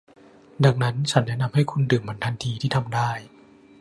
ดังนั้น ฉันแนะนำให้คุณดื่มมันทันทีที่ทำได้